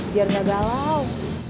biar gak galau